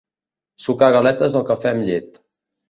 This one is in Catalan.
Sucar galetes al cafè amb llet.